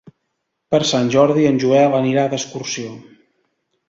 Per Sant Jordi en Joel anirà d'excursió.